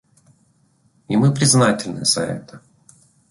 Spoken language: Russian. И мы признательны за это.